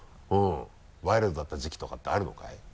ワイルドだった時期とかってあるのかい？